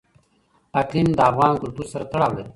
اقلیم د افغان کلتور سره تړاو لري.